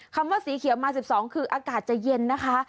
คำว่าสีเขียวมา๑๒คืออากาศจะเย็นนะคะ